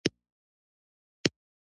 افغانستان د باران کوربه دی.